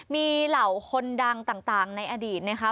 มีเหล่าคนดังต่างในอดีตนะคะ